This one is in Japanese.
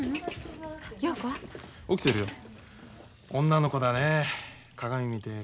女の子だねえ。